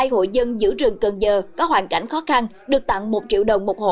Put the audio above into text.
hai mươi hộ dân giữ rừng cần giờ có hoàn cảnh khó khăn được tặng một triệu đồng một hộ